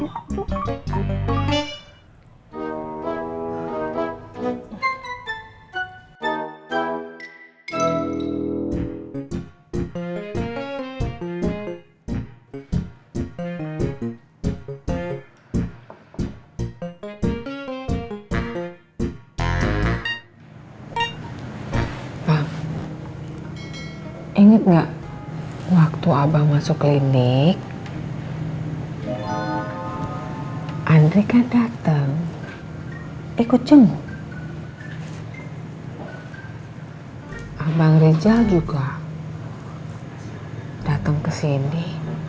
hai waktu abang masuk klinik andri kandang teng ikut jeng abang rizal juga datang kesini